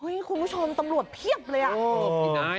คุณผู้ชมตำรวจเพียบเลยอ่ะ